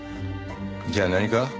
じゃあ何か？